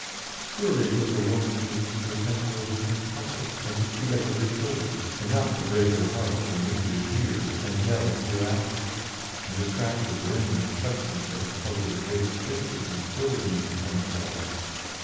Surely it was a woman's business to attend to her husband's comforts and to see after her children, and not to break her heart over misery here and hell hereafter, and distract her brain with questions that had puzzled the greatest thinkers and still remained unsolved!